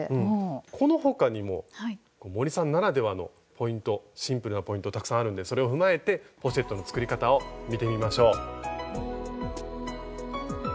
この他にも森さんならではのポイントシンプルなポイントたくさんあるんでそれを踏まえてポシェットの作り方を見てみましょう。